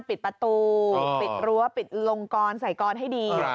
ติดประตูติดลงกรส่ายกรให้ดี